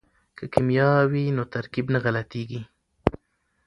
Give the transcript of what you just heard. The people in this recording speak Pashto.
که کیمیا وي نو ترکیب نه غلطیږي.